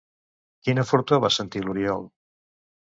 Quina fortor va sentir l'Oriol?